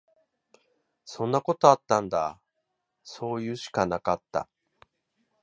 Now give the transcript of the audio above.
そんなことあったんだ。そういうしかなかった。